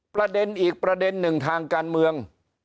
ประเด็นอีกประเด็นหนึ่งทางการเมือง